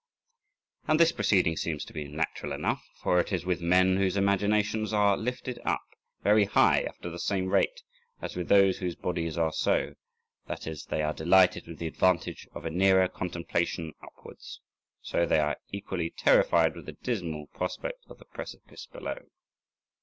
And this proceeding seems to be natural enough, for it is with men whose imaginations are lifted up very high after the same rate as with those whose bodies are so, that as they are delighted with the advantage of a nearer contemplation upwards, so they are equally terrified with the dismal prospect of the precipice below.